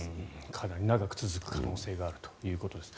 かなり長く続く可能性があるということです。